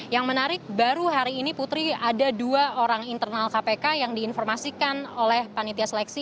yang menarik baru hari ini putri ada dua orang internal kpk yang diinformasikan oleh panitia seleksi